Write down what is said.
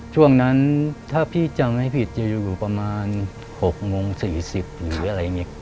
ช่วงนั้นถ้าพี่จำไม่ผิดจะอยู่ประมาณ๖โมง๔๐หรืออะไรอย่างนี้